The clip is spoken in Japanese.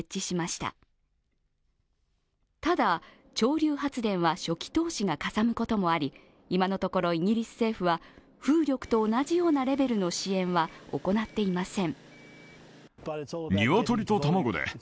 ただ、潮流発電は初期投資がかさむこともあり、今のところイギリス政府は風力と同じようなレベルの支援は行っていません。